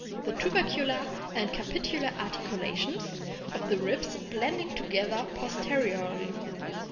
The tubercular and capitular articulations of the ribs blending together posteriorly.